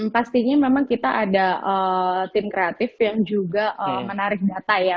pastinya memang kita ada tim kreatif yang juga menarik data ya